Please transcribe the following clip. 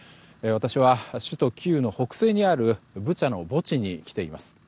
私は首都キーウの北西にあるブチャの墓地に来ています。